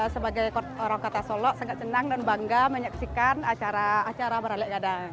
sebagai orang kata solok sangat senang dan bangga menyaksikan acara barale gadang